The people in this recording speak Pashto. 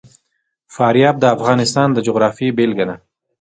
فاریاب د افغانستان د جغرافیې بېلګه ده.